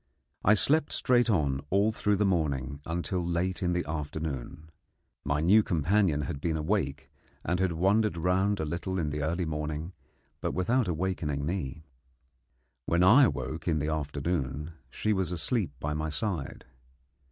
I slept straight on all through the morning until late in the afternoon. My new companion had been awake, and had wandered round a little in the early morning, but without awaking me. When I awoke in the afternoon she was asleep by my side.